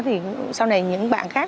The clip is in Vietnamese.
thì sau này những bạn khác